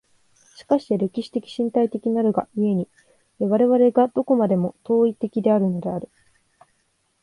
しかして歴史的身体的なるが故に、我々はどこまでも当為的であるのである。